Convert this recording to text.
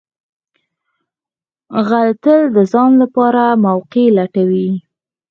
غل تل د ځان لپاره موقع لټوي